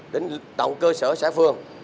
đến tổng cơ sở xã phường